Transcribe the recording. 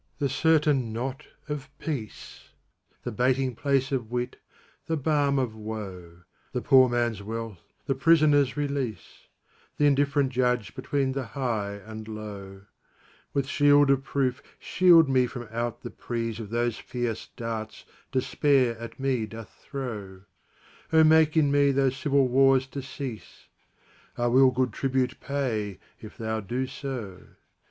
the certain knot of peace, The baiting place of wit, the balm of woe, The poor man's wealth, the prisoner's release, Th' indifferent judge between the high and low; With shield of proof, shield me from out the preaseOf those fierce darts Despair at me doth throw:O make in me those civil wars to cease;I will good tribute pay, if thou do so.